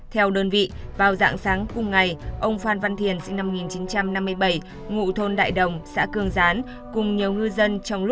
theo đơn vị vào dạng sáng cùng ngày ông phan văn thiền sinh năm một nghìn chín trăm năm mươi bảy ngụ thôn đại đồng xã cương gián